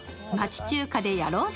町中華で飲ろうぜ！